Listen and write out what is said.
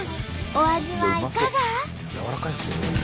お味はいかが？